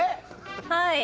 はい。